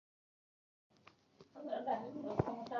অল্প আয়তনে অনেকটা পুষ্টি অথচ শীঘ্র পাক হয়, এমন খাওয়া চাই।